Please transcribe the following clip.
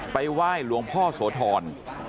ไหว้หลวงพ่อโสธร